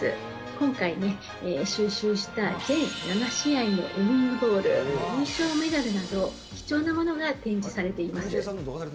今回ね、収集した全７試合のウイニングボール、優勝メダルなど、貴重なものが展示されています。